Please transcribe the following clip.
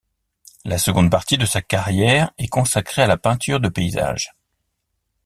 La seconde partie de sa carrière est consacré à la peinture de paysage.